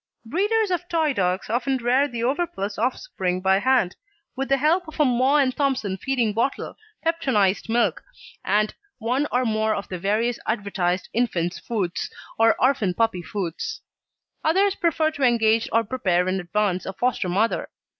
Breeders of Toy dogs often rear the overplus offspring by hand, with the help of a Maw and Thompson feeding bottle, peptonised milk, and one or more of the various advertised infants' foods or orphan puppy foods. Others prefer to engage or prepare in advance a foster mother.